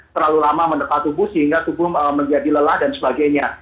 terlalu lama menetap tubuh sehingga tubuh menjadi lelah dan sebagainya